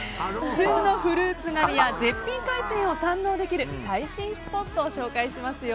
旬のフルーツや絶品海鮮を堪能できる最新スポットを紹介しますよ！